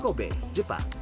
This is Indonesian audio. kota yang terbaik untuk anda